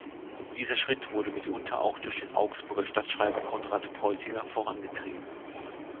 Dieser Schritt wurde mitunter auch durch den Augsburger Stadtschreiber Konrad Peutinger vorangetrieben.